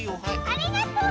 ありがとう！